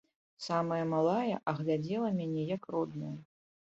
Сама малая, а глядзела мяне, як родная.